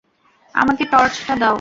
আমাকে টর্চটা দাও।